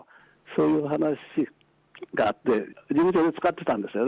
そういう話があって、事務所で使ってたんですよ。